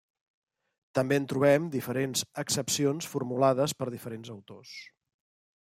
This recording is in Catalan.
També en trobem diferents accepcions formulades per diferents autors.